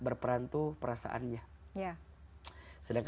berperan tuh perasaannya